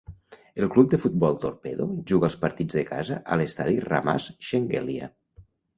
El club de futbol Torpedo juga els partits de casa a l'estadi Ramaz Shengelia.